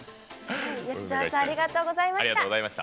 吉沢さんありがとうございました。